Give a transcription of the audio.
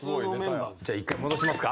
じゃあ１回戻しますか。